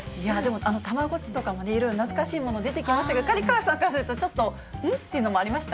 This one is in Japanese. たまごっちとかもいろいろ懐かしいもの出てきましたが、刈川さんからすると、ちょっと、ん？っていうのもありました？